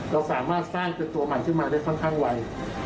เราสามารถสร้างเป็นตัวมันขึ้นมาได้ค่อนข้างไว